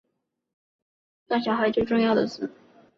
当小孩最重要的事